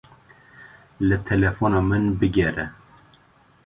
Li telefona min bigere.